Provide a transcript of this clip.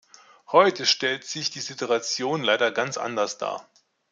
Heute stellt sich die Situation leider ganz anders dar.